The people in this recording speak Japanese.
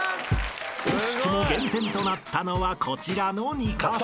［おしくも減点となったのはこちらの２カ所］